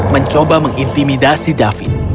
mencoba mengintimidasi david